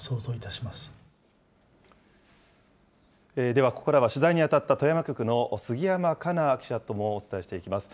ではここからは取材に当たった富山局の杉山加奈記者ともお伝えしていきます。